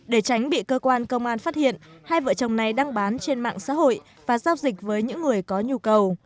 để tránh bị cơ quan công an phát hiện hai vợ chồng này đang bán trên mạng xã hội và giao dịch với những người có nhu cầu